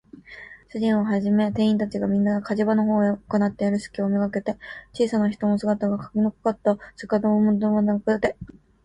主人をはじめ店員たちが、みんな火事場のほうへ行っているすきをめがけて、小さな人の姿が、かぎのかかった板戸をくもなくあけて、